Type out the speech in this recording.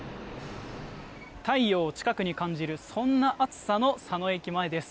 太陽を近くに感じるそんな暑さの佐野駅前です。